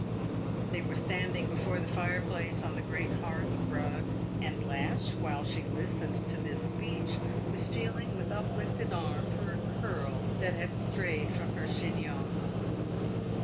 They were standing before the fire place, on the great hearth rug, and Blanche, while she listened to this speech, was feeling, with uplifted arm, for a curl that had strayed from her chignon.